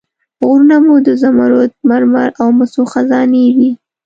غرونه مو د زمرد، مرمر او مسو خزانې دي.